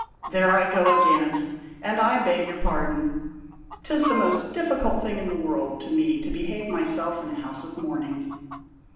"There I go again, and I beg your pardon! 'Tis the most difficult thing in the world to me to behave myself in a house of mourning."